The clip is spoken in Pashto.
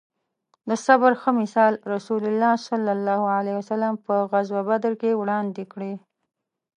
د صبر ښه مثال رسول الله ص په غزوه بدر کې وړاندې کړی